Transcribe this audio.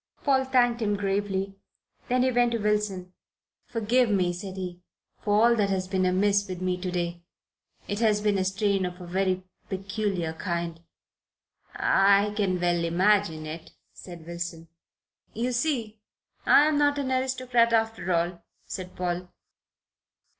Paul thanked him gravely. Then he went to Wilson. "Forgive me," said he, "for all that has been amiss with me to day. It has been a strain of a very peculiar kind." "I can well imagine it," said Wilson. "You see I'm not an aristocrat, after all," said Paul.